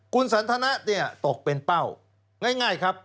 คุณสันทนะเนี่ยตกเป็นเป้าง่ายครับ